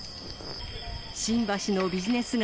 新橋のビジネス街